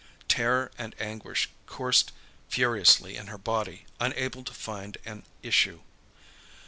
Terror and anguish coursed furiously in her body unable to find an issue.